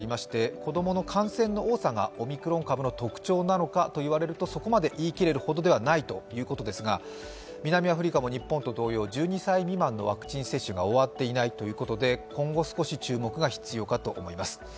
ただ南アフリカ自体、大変子供の多い国ということもありまして子供の感染の多さがオミクロン株の特徴なのかと問われるとそこまで言い切れるほどではないということですが、南アフリカも日本と同様、１２歳未満のワクチン接種が終わっていないということで今後、少し注目が必要かと思います。